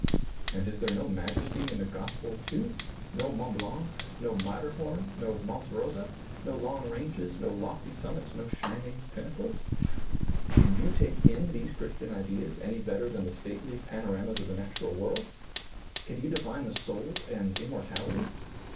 And is there no majes^ in the gospel, too, — no Mont Blanc, no Matterhom, no Monte Rosa, no long ranges, no lofty summits, no shining pinnacles? Can you take in these Christian ideas, any better than the stately pano ramas of the natural world ? Can you define the soul and immortality?